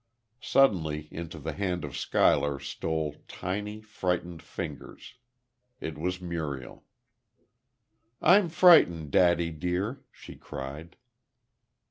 Suddenly, into the hand of Schuyler stole tiny, frightened fingers. It was Muriel. "I'm frightened, daddy dear," she cried.